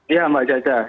ya mbak jajah